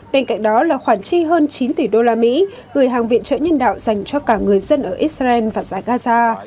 bên cạnh đó là khoản trị hơn chín tỷ đô la mỹ gửi hàng viện trợ nhân đạo dành cho cả người dân ở israel và giải gaza